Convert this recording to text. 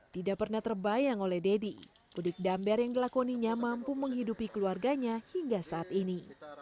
tidak pernah terbayang oleh deddy mudik dumber yang dilakoninya mampu menghidupi keluarganya hingga saat ini